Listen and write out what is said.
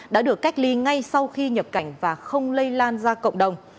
đã được cách ly ngay sau khi nhập cảnh và không lây lan ra cộng đồng